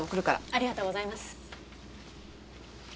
ありがとうございます。